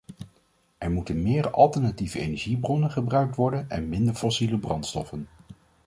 Er moeten meer alternatieve energiebronnen gebruikt worden en minder fossiele brandstoffen.